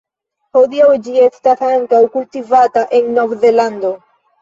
Hodiaŭ ĝi estas ankaŭ kultivata en Nov-Zelando.